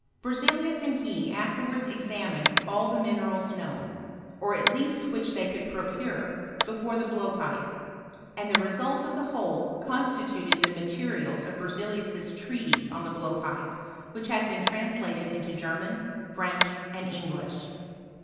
B«zeliuv and he afterwards examined all theminerab knowD^ or at least which they could procure, before the Ui>w> pipe; and the resuh of the whole constituted the materials of Berzelius's treatise on the blowpipe, which has been translated into German, French, andi Kiglish.